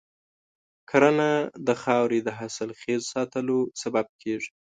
کرنه د خاورې د حاصلخیز ساتلو سبب کېږي.